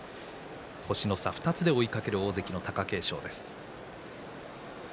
星の差２つで追いかける大関貴景勝です。